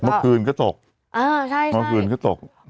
เมื่อคืนก็ตกเมื่อคืนก็ตก